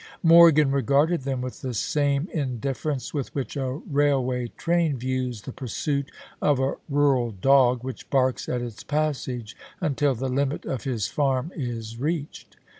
Morgan regarded them with the same indifference with which a railway train views the pursuit of a rural dog, which barks at its passage until the limit of his farm is reached.